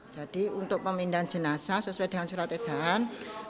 jadi untuk pemindahan jenazah sesuai dengan surat edahan